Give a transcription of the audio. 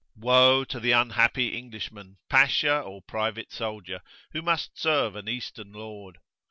Woe to the unhappy Englishman, Pasha, or private soldier, who must serve an Eastern lord!